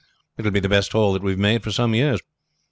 It will be the best haul that we have made for some years.